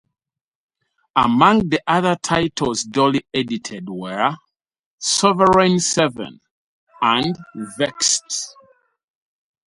Among the other titles Dooley edited were "Sovereign Seven" and "Vext".